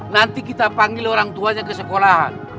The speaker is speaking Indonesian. nanti kita panggil orangtuanya ke sekolahan